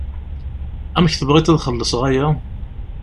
Amek tebɣiḍ ad xellṣeɣ aya?